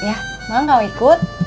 ya mak gak mau ikut